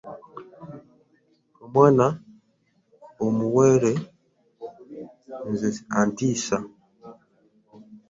Omwaana omuwere nze antiisa.